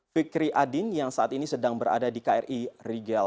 fikri adin yang saat ini sedang berada di kri rigel